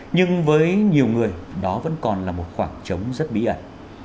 nhưng với nhiều người đó vẫn còn là một khoảng trống rất bí ẩn